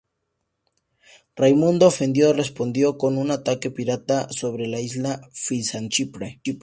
Raimundo, ofendido, respondió con un ataque pirata sobre la isla bizantina de Chipre.